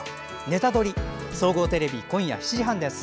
「ネタドリ！」総合テレビ今夜７時半です。